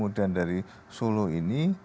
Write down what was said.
dan dari solo ini